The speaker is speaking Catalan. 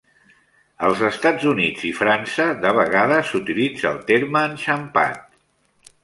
Als Estats Units i França, de vegades s'utilitza el terme "enxampat".